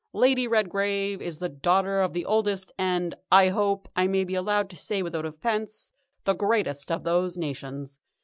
Lady Redgrave is the daughter of the oldest and, I hope I may be allowed to say without offence, the greatest of those nations.